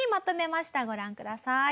ご覧ください。